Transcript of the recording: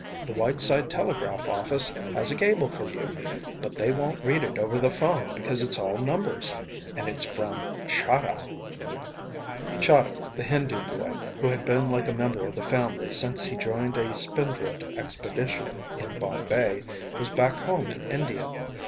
The Whiteside telegraph office has a cable for you, but they won't read it over the phone because it's all numbers. And it's from Chahda." Chahda, the Hindu boy who had been like a member of the family since he joined a Spindrift expedition in Bombay, was back home in India.